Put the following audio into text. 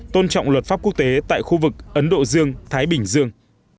tôn trọng luật pháp quốc tế tại khu vực ấn độ dương thái bình dương